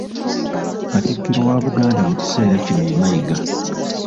Katikkiro wa Buganda mu kiseera kino ye Mayiga.